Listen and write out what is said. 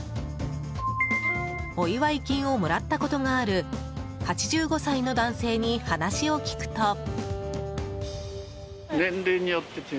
お祝い金をもらったことがある８５歳の男性に話を聞くと。